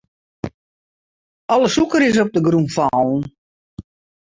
Alle sûker is op de grûn fallen.